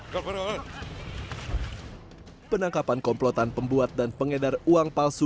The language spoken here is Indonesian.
keperawan komplotan pembuat dan pengedar uang palsu